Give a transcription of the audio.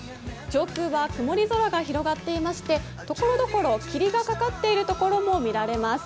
上空は曇り空が広がっていまして、ところどころ霧がかかっているところも見られます。